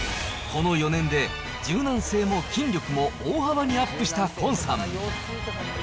この４年で、柔軟性も筋力も大幅にアップした崑さん。